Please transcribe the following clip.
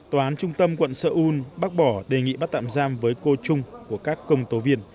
tòa án trung tâm quận seoul bác bỏ đề nghị bắt tạm giam với cô trung của các công tố viên